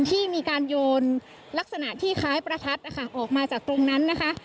ที่มีการโยนลักษณะที่คล้ายประทัดนะคะออกมาจากตรงนั้นนะคะ